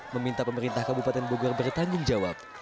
meminta pemerintah kabupaten bogor bertanggung jawab